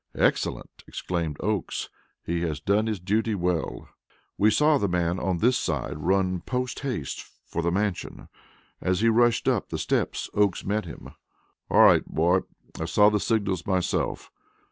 "Excellent!" exclaimed Oakes. "He has done his duty well." We saw the man on this side run post haste for the Mansion. As he rushed up the steps, Oakes met him. "All right, boy! I saw the signals myself."